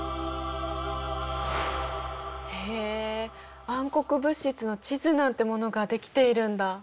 へえ暗黒物質の地図なんてものが出来ているんだあ。